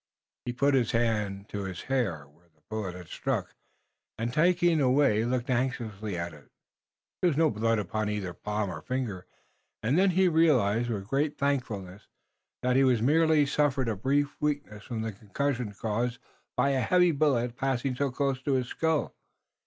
He put his hand to his hair, where the bullet had struck, and, taking it away, looked anxiously at it. There was no blood upon either palm or finger, and then he realized, with great thankfulness, that he was merely suffering a brief weakness from the concussion caused by a heavy bullet passing so close to his skull.